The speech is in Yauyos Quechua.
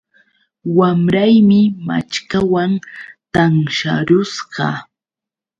Wamraymi maćhkawan tansharusqa